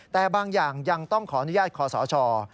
แต่บางอย่างยังต้องขออนุญาตคอสช